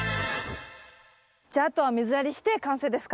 じゃああとは水やりして完成ですか？